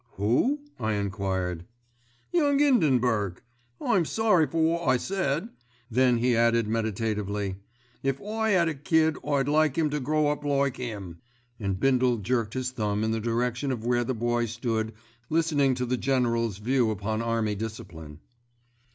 "Who?" I enquired. "Young 'Indenburg. I'm sorry for wot I said." Then he added meditatively. "If I 'ad a kid I'd like 'im to grow up like 'im," and Bindle jerked his thumb in the direction of where the Boy stood listening to the General's views upon army discipline.